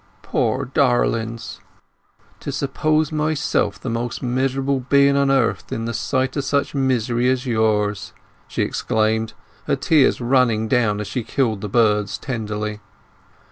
"Poor darlings—to suppose myself the most miserable being on earth in the sight o' such misery as yours!" she exclaimed, her tears running down as she killed the birds tenderly.